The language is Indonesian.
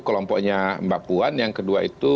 kelompoknya mbak puan yang kedua itu